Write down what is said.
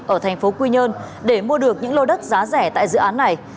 ở tp quy nhơn để mua được những lô đất giá rẻ tại dự án này